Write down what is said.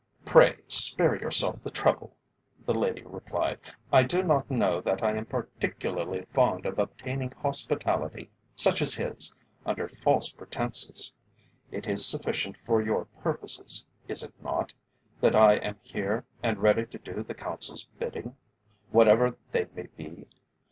"Pray spare yourself the trouble," the lady replied. "I do not know that I am particularly fond of obtaining hospitality, such as his, under false pretences. It is sufficient for your purposes, is it not, that I am here, and ready to do the Council's bidding, whatever that may be.